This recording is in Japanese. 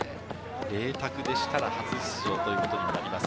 麗澤でしたら初出場ということになります。